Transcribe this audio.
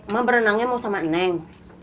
mama berenangnya mau sama neng